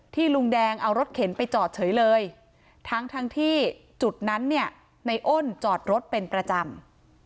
ลุงแดงเอารถเข็นไปจอดเฉยเลยทั้งทั้งที่จุดนั้นเนี่ยในอ้นจอดรถเป็นประจำ